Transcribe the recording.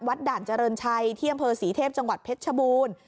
ด่านเจริญชัยที่อำเภอศรีเทพจังหวัดเพชรชบูรณ์